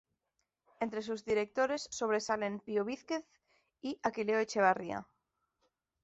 Entre sus directores sobresalen Pío Víquez y Aquileo Echeverría.